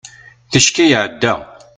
ticki iɛedda